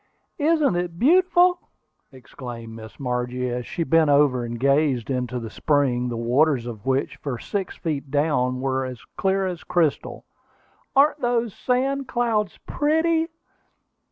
"Isn't it beautiful!" exclaimed Miss Margie, as she bent over and gazed into the spring, the waters of which, for six feet down, were as clear as crystal. "Aren't those sand clouds pretty?"